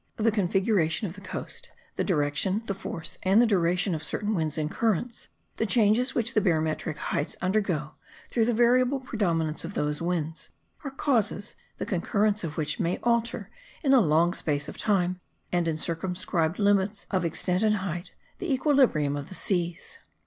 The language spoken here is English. The configuration of the coast, the direction, the force and the duration of certain winds and currents, the changes which the barometric heights undergo through the variable predominance of those winds, are causes, the concurrence of which may alter, in a long space of time, and in circumscribed limits of extent and height, the equilibrium of the seas.